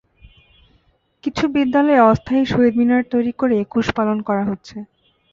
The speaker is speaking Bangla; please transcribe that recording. কিছু বিদ্যালয়ে অস্থায়ী শহীদ মিনার তৈরি করে একুশ পালন করা হচ্ছে।